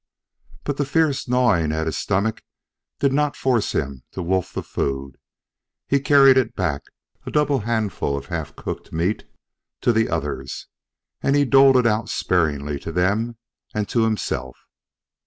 But the fierce gnawing at his stomach did not force him to wolf the food. He carried it back, a double handful of half cooked meat, to the others. And he doled it out sparingly to them and to himself.